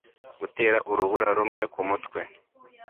Gutera urubura rumwe kumutwe